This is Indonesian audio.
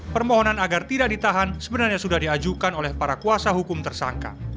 permohonan agar tidak ditahan sebenarnya sudah diajukan oleh para kuasa hukum tersangka